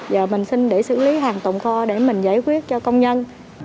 giờ mình xin để xử lý hàng tồn kho để mình giải quyết cho công nhân